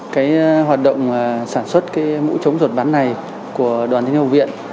cái hoạt động sản xuất cái mũ chống giọt bắn này của đoàn thanh niên học viện